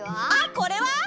あっこれは！？